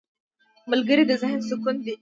ملګری د ذهن سکون دی